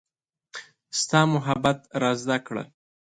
ستا محبت را زده کړه